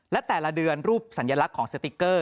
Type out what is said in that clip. และแต่ละเดือนรูปสัญลักษณ์ของสติ๊กเกอร์